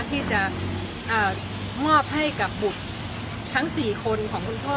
ที่จะมอบให้กับบุตรทั้ง๔คนของคุณพ่อ